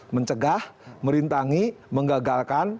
mencegah merintangi menggagalkan